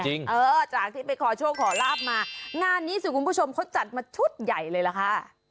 เออจากที่ไปขอโชคขอลาบมางานนี้สิคุณผู้ชมเขาจัดมาชุดใหญ่เลยล่ะค่ะ